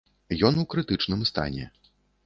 Ён у крытычным стане.